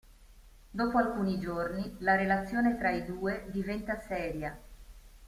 Dopo alcuni giorni la relazione tra i due diventa seria.